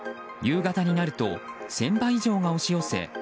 夕方になると１０００羽以上が押し寄せ